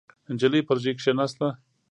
نجلۍ پر ژۍ کېناسته.